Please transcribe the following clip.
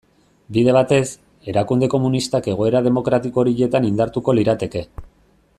Bide batez, erakunde komunistak egoera demokratiko horietan indartuko lirateke.